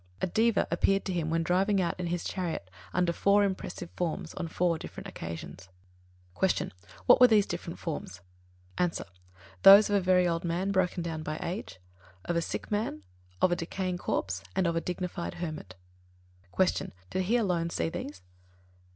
A Deva appeared to him when driving out in his chariot, under four impressive forms, on four different occasions. 35. Q. What were these different forms? A. Those of a very old man broken down by age, of a sick man, of a decaying corpse, and of a dignified hermit. 36. Q. _Did he alone see these?